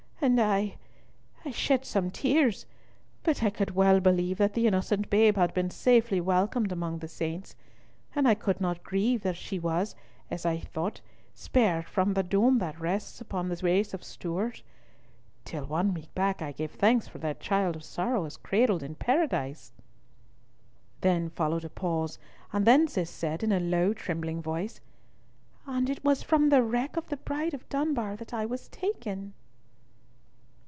And I—I shed some tears, but I could well believe that the innocent babe had been safely welcomed among the saints, and I could not grieve that she was, as I thought, spared from the doom that rests upon the race of Stewart. Till one week back, I gave thanks for that child of sorrow as cradled in Paradise." Then followed a pause, and then Cis said in a low trembling voice, "And it was from the wreck of the Bride of Dunbar that I was taken?"